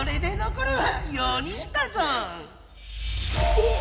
えっ！